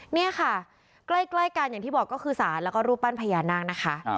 เนี่ยคะใกล้กันก็คือสารและรูปปั้นพญานางนะคะ